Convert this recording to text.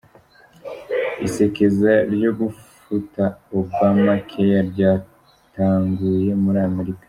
Isekeza ryo gufuta ObamaCare ryatanguye muri Amerika.